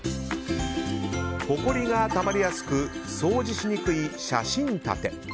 ほこりがたまりやすく掃除しにくい写真立て。